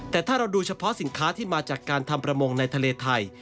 แต่ถ้าเราดูเฉพาะสินค้าที่มาจากการทำประมงในทะเลไทย